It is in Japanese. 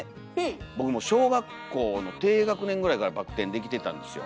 僕もう小学校の低学年ぐらいからバク転できてたんですよ。